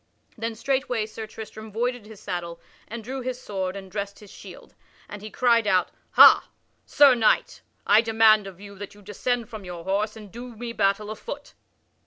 Then straightway Sir Tristram voided his saddle and drew his sword and dressed his shield. And he cried out: "Ha, Sir Knight! I demand of you that you descend from your horse and do me battle afoot."